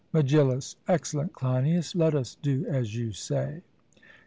MEGILLUS: Excellent, Cleinias; let us do as you say.